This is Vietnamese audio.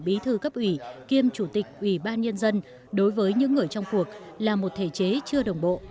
bí thư cấp ủy kiêm chủ tịch ủy ban nhân dân đối với những người trong cuộc là một thể chế chưa đồng bộ